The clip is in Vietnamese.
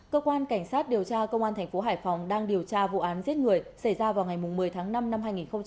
cơ quan cảnh sát điều tra công an tp hải phòng đang điều tra vụ án giết người xảy ra vào ngày một mươi tháng năm năm hai nghìn một mươi chín